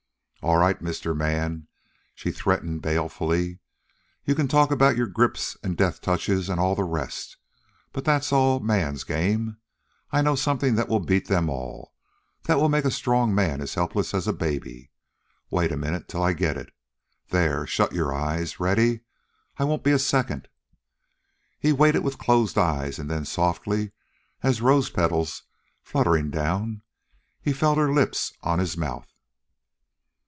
"All right, Mister Man," she threatened balefully. "You can talk about your grips and death touches and all the rest, but that's all man's game. I know something that will beat them all, that will make a strong man as helpless as a baby. Wait a minute till I get it. There. Shut your eyes. Ready? I won't be a second." He waited with closed eyes, and then, softly as rose petals fluttering down, he felt her lips on his mouth.